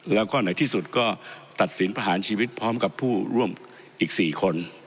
แล้วก็ไหนที่สุดก็ตัดสินประหารชีวิตพร้อมกับผู้ร่วมอีก๔คน